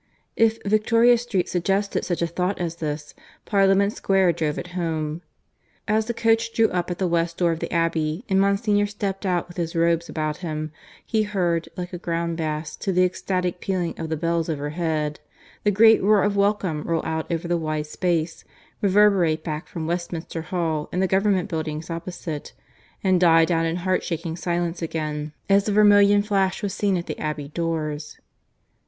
If Victoria Street suggested such a thought as this, Parliament Square drove it home. As the coach drew up at the west door of the Abbey, and Monsignor stepped out with his robes about him, he heard, like a ground bass to the ecstatic pealing of the bells overhead, the great roar of welcome roll out over the wide space, reverberate back from Westminster Hall and the Government Buildings opposite, and die down into heart shaking silence again, as the vermilion flash was seen at the Abbey doors.